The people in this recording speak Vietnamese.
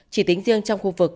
chỉ tính riêng trong khu vực